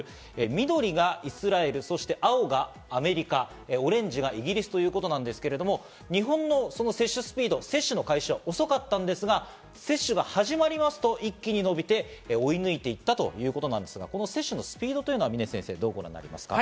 緑がイスラエル、青がアメリカ、オレンジがイギリスということですけど、日本の接種スピード、接種の開始は遅かったんですが、接種が始まりますと、一気に伸びて追い抜いていったということですが、接種のスピードというのはどうご覧になりますか？